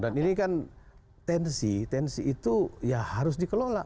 dan ini kan tensi tensi itu ya harus dikelola